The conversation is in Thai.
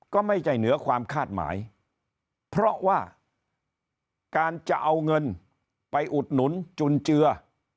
ก็ไม่ใช่เหนือความคาดหมายเพราะว่าการจะเอาเงินไปอุดหนุนจุนเจือ